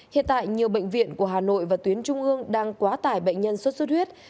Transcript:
hiện tại nhiều bệnh viện của hà nội và tuyến trung ương đang quá tải bệnh nhân xuất xuất huyết